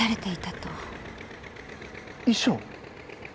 遺書？